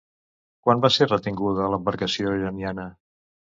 Quan va ser retinguda l'embarcació iraniana?